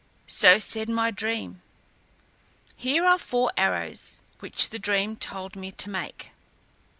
So said my dream. Here are four arrows, which the dream told me to make.